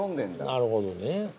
なるほどね。